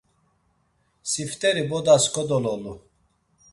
Sifteri bodas kodololu.